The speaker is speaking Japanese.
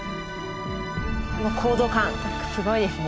この高度感すごいですね